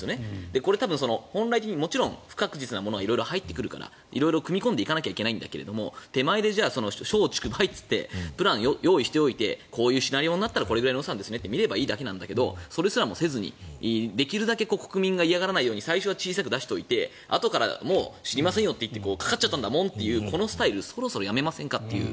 これ、本来的にもちろん不確実なものが色々入ってくるから色々組み込んでいかなきゃいけないけど手前で松竹梅ってプランを用意しておいてこういうシナリオになったらこういう予算ですねって見ればいいだけなんだけどそれすらせずにできるだけ国民が嫌がらないように最初は小さく出しておいてあとからもう知りませんよとかかっちゃったんだもんというこのスタイルそろそろやめませんかと。